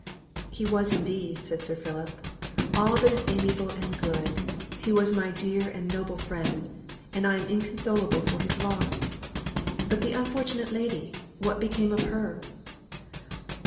"He was indeed," said Sir Philip, "all that is amiable and good; he was my dear and noble friend, and I am inconsolable for his loss. But the unfortunate lady, what became of her?"